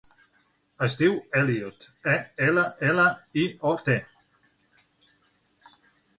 Es diu Elliot: e, ela, ela, i, o, te.